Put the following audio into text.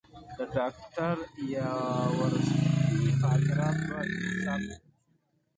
د ډاکټر یاورسکي خاطرات په انصاف لیکل شوي.